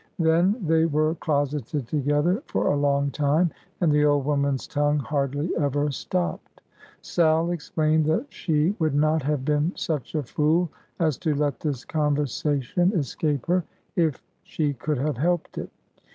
Then they were closeted together for a long time, and the old woman's tongue hardly ever stopped. Sal explained that she would not have been such a fool as to let this conversation escape her, if she could have helped it.